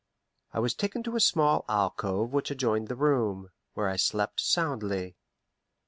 I was taken to a small alcove which adjoined the room, where I slept soundly.